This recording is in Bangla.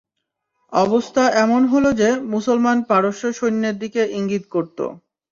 অবস্থা এমন হল যে, মুসলমান পারস্য সৈন্যের দিকে ইংগিত করত।